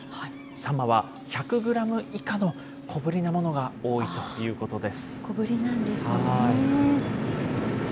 サンマは１００グラム以下の小ぶりなものが多いということです。